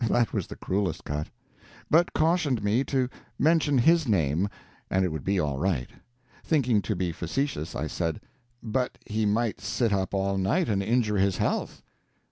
that was the cruelest cut), but cautioned me to mention his name, and it would be all right. Thinking to be facetious, I said: "But he might sit up all night and injure his health."